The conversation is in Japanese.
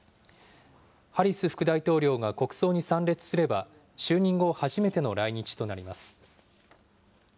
ハリス副大統領が国葬に参列すれば、就任後、初めての来日となります。